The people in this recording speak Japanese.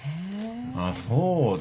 あっそうだ。